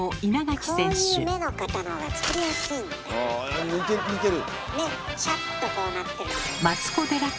あ似てる！